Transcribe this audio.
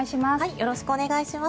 よろしくお願いします。